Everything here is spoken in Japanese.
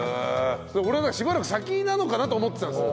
俺はしばらく先なのかなと思ってたんです。